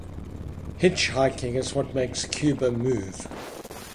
Hitchhiking is what makes Cuba move.